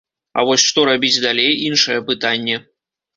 А вось што рабіць далей, іншае пытанне.